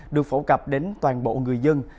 được phổ cập đến toàn bộ người dân